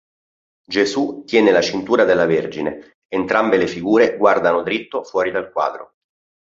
Gesù tiene la cintura della Vergine, entrambe le figure guardano dritto fuori dal quadro.